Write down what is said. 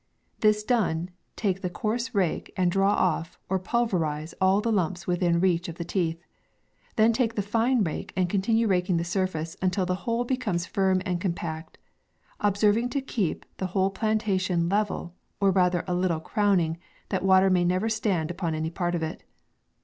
This done, take the coarse rake, and draw off, or pulverize all the lumps within reach of the teeth. Then take the fine rake and continue raking the surface, until the whole becomes firm and compact ; observing to keep the whole plantation level, or rather a little crowning, that water may never stand upon any part of it.